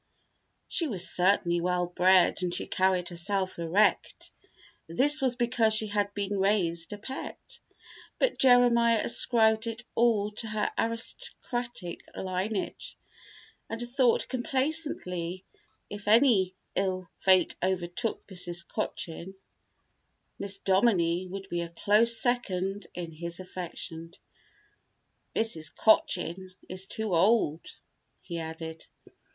She was certainly well bred and she carried herself erect. This was because she had been raised a pet, but Jeremiah ascribed it all to her aristocratic lineage and thought complacently that if any ill fate overtook Mrs. Cochin, Miss Dominie would be a close second in his affections. "Mrs. Cochin is too old," he added.